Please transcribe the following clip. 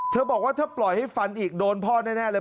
บอกว่าถ้าปล่อยให้ฟันอีกโดนพ่อแน่เลย